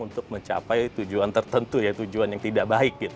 untuk mencapai tujuan tertentu ya tujuan yang tidak baik